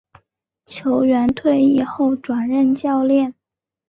球员退役后转任教练。